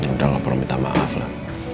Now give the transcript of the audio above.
udah lo permitah maaf lah